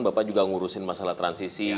bapak juga ngurusin masalah transisi